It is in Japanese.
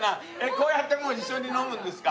こうやってもう一緒に飲むんですか？